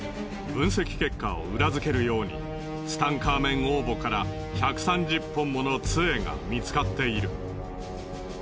分析結果を裏付けるようにツタンカーメン王墓から１３０本もの杖が見つかっている。